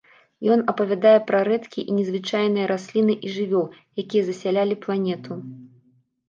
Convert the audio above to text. Ён апавядае пра рэдкія і незвычайных расліны і жывёл, якія засялялі планету.